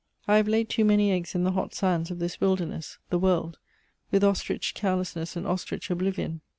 I have laid too many eggs in the hot sands of this wilderness, the world, with ostrich carelessness and ostrich oblivion.